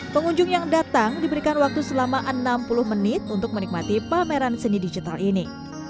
pengunjung yang datang diberikan waktu selama enam puluh menit untuk menikmati pameran seni digital ini